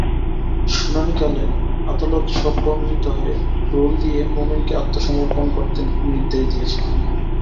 শুনানিকালে আদালত স্বতঃপ্রণোদিত হয়ে রুল দিয়ে মোমিনকে আত্মসমর্পণ করতে নির্দেশ দিয়েছেন।